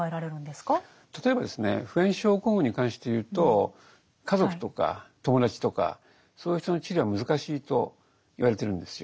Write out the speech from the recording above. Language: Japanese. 例えばですね普遍症候群に関して言うと家族とか友達とかそういう人の治療は難しいと言われてるんですよ。